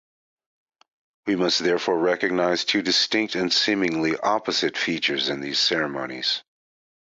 We must therefore recognize two distinct and seemingly opposite features in these ceremonies.